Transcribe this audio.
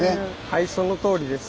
はいそのとおりです。